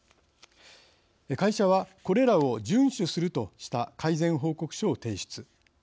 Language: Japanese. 会社は、これらを順守するとした改善報告書を提出。